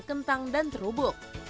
kentang dan terubuk